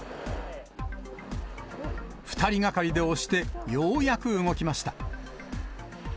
２人がかりで押して、ようやく動きました。